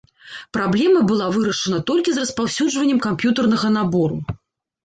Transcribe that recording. Праблема была вырашана толькі з распаўсюджваннем камп'ютэрнага набору.